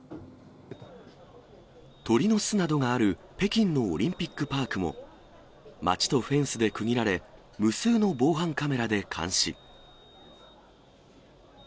鳥の巣などがある北京のオリンピックパークも、街とフェンスで区切られ、無数の防犯カメラで監視。